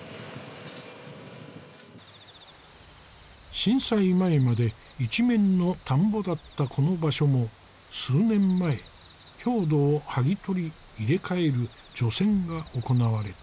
震災前まで一面の田んぼだったこの場所も数年前表土を剥ぎ取り入れ替える除染が行われた。